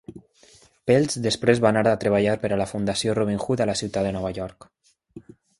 Peltz després va anar a treballar per a la Fundació Robin Hood a la ciutat de Nova York.